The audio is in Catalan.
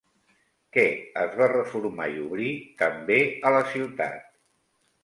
Què es va reformar i obrir també a la ciutat?